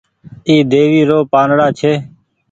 اي ديوي رو پآنڙآ ڇي۔